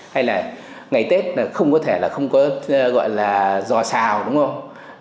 hay là ngày tết là không có thể là không có gọi là dò xào đúng không